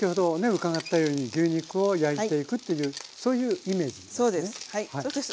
伺ったように牛肉を焼いていくというそういうイメージですね。